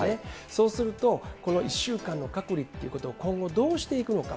そうすると、この１週間の隔離っていうところを、今後どうしていくのか。